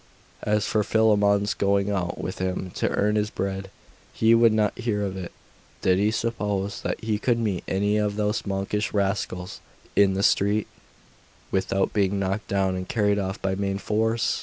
As for Philammon's going out with him to earn his bread, he would not hear of it. Did he suppose that he could meet any of those monkish rascals in the street, without being knocked down and carried off by main force?